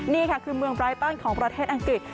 นี่ค่ะคือเมืองปลายตันของประเทศอังกฤษ